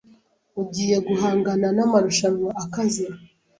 Ugiye guhangana n'amarushanwa akaze.